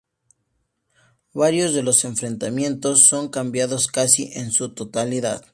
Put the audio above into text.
Varios de los enfrentamientos son cambiados casi en su totalidad.